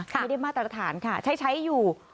ไม่ได้มาตรฐานค่ะใช้อยู่